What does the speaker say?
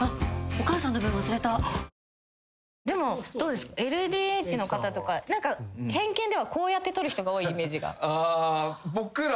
でもＬＤＨの方とか偏見ではこうやって撮る人が多いイメージが。